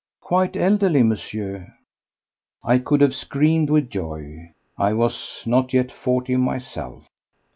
"Quite elderly, Monsieur." I could have screamed with joy. I was not yet forty myself.